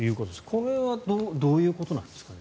これはどういうことなんですかね。